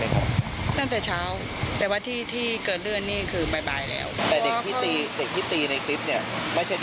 ก็เสียมงัดคุยกันนะคะ